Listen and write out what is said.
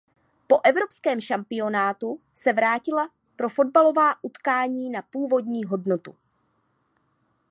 Po evropském šampionátu se vrátila pro fotbalová utkání na původní hodnotu.